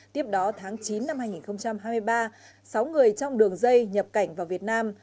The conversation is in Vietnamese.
tiếp đó tháng chín năm hai nghìn hai mươi ba sáu người trong đường dây nhập cảnh vào việt nam